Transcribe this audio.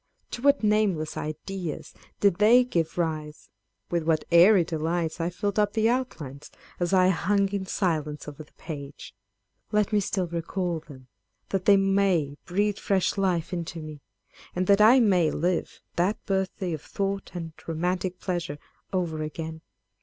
To what nameless ideas did they give rise, â€" with what airy delights I filled up the outlines, as I hung in silence over the page ! â€" Let me still recall them, that they may breathe fresh life into me, and that I may live that birthday of thought and romantic pleasure over again